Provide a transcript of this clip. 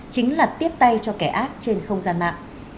chính là tiếp tay cho kẻ ác trên không gian mạng